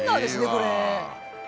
これ！